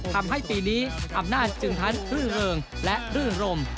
ทำให้ปีนี้อำนาจจึงทั้งทื่อเริงและรื่นรม